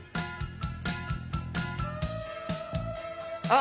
あ